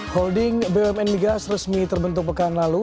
holding bumn migas resmi terbentuk pekan lalu